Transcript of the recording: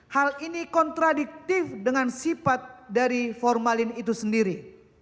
hal ini kontradiktif dengan sifat dari formalin itu sendiri